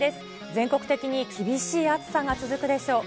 全国的に厳しい暑さが続くでしょう。